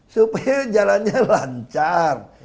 supaya jalannya lancar